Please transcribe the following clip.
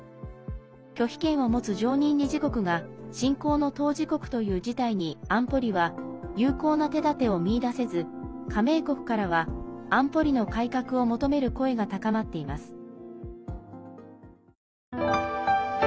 拒否権を持つ常任理事国が侵攻の当事国という事態に安保理は有効な手だてを見いだせず加盟国からは安保理の改革を求める声が高まっています。